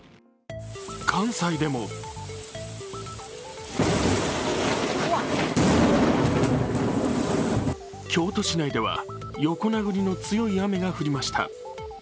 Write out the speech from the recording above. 関西でも京都市内では横殴りの強い雨が降りました。